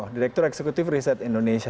direktur eksekutif riset indonesia